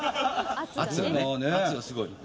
圧がすごい。